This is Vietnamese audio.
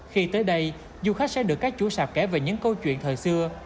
khi tới đây du khách sẽ được các chú sạp kể về những câu chuyện thời xưa